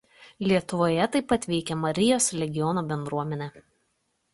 Lietuvoje taip pat veikia Marijos Legiono bendruomenė.